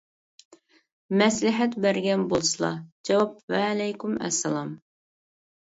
مەسلىھەت بەرگەن بولسىلا. ؟؟؟ جاۋاب: ۋەئەلەيكۇم ئەسسالام!